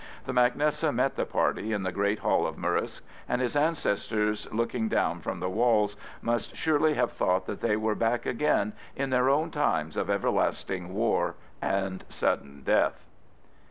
The mac Nessa met the party in the great hall of Murrisk, and his ancestors looking down from the walls must surely have thought that they were back again in their own times of everlasting war and sudden death.